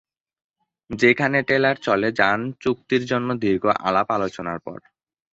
যেখানে টেলার চলে যান চুক্তির জন্য দীর্ঘ আলাপ-আলোচনার পর।